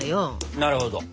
なるほど。